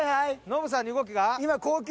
ノブさんに動きが？